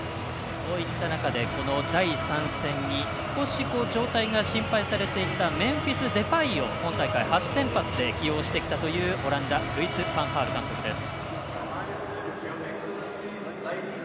こういった中で第３戦に少し状態が心配されていたメンフィス・デパイを今大会、初先発で起用してきたというオランダのルイス・ファン・ハール監督です。